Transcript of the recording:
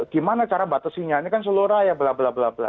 gimana cara batasinya ini kan seluruh raya bla bla bla bla